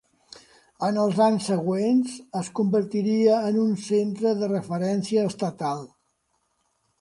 En els anys següents, es convertiria en un centre de referència estatal.